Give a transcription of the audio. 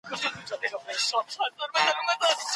که ماشوم نه اوري ډاکټر ته یې ورولئ.